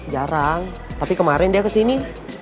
jarang tapi kemarin dia ke sini